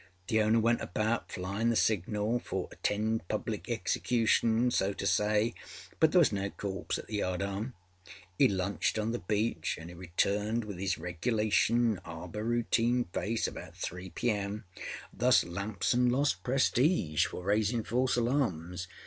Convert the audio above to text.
The owner went about flyinâ the signal for âattend public execution,â so to say, but there was no corpse at the yardarm. âE lunched on the beach anâ âe returned with âis regulation harbour routine face about 3 P.M. Thus Lamson lost prestige for raising false alarms.